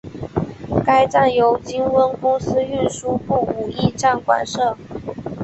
该站由金温公司运输部武义站管辖。